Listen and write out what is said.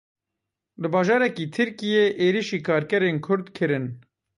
Li bajarekî Tirkiyê êrişî karkerên Kurd kirin.